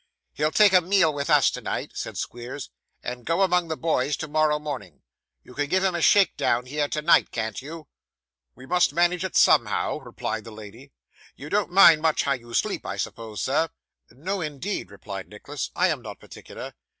'He'll take a meal with us tonight,' said Squeers, 'and go among the boys tomorrow morning. You can give him a shake down here, tonight, can't you?' 'We must manage it somehow,' replied the lady. 'You don't much mind how you sleep, I suppose, sir?' No, indeed,' replied Nicholas, 'I am not particular.